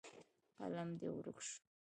قلم دې ورک شو.